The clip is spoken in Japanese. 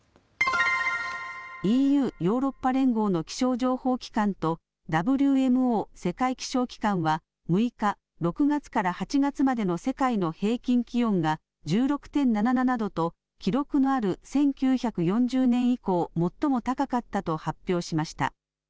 ＥＵ・ヨーロッパ連合の気象情報機関とＷＭＯ・世界気象機関は６日、６月から８月までの世界の平均気温が１６．７７度と記録のある１９４０年以降、最も高かったと発表しました。